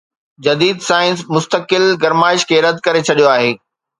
جديد سائنس مستقل گرمائش کي رد ڪري ڇڏيو آهي